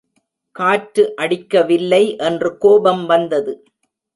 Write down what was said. காற்று அடிக்கவில்லை என்று கோபம் வந்தது.